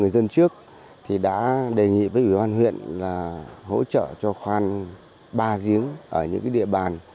dân trước thì đã đề nghị với ủy ban huyện là hỗ trợ cho khoan ba giếng ở những địa bàn